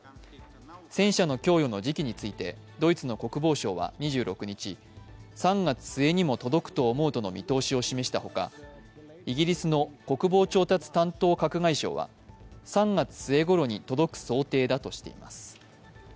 戦車の供与の時期についてドイツの国防相は２６日、３月末にも届くと思うとの見通しを示したほかイギリスの国防調達担当閣外相は３月末ごろに、届く想定だとしています。